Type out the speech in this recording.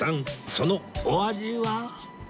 そのお味は？